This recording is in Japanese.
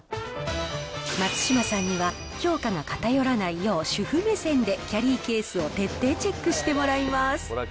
松嶋さんには、評価が偏らないよう主婦目線で、キャリーケースを徹底チェックしてもらいます。